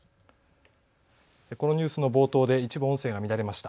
このニュースの冒頭で一部、音声が乱れました。